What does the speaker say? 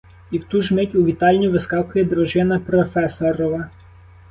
І в ту ж мить у вітальню вискакує дружина професорова.